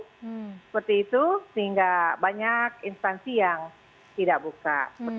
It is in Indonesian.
seperti itu sehingga banyak instansi yang tidak buka